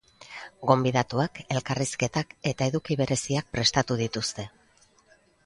Gonbidatuak, elkarrizketak eta eduki bereziak prestatu dituzte.